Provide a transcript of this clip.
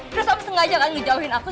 terus om sengaja kan ngejauhin aku